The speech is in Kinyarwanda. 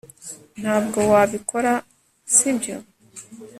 ntabwo wabikora, sibyo